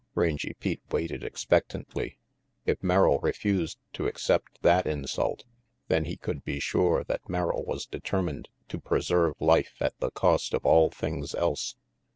Rangy Pete waited expectantly. If Merrill refused to accept that insult, then he could be sure that Merrill was determined to preserve life at the cost of all things else.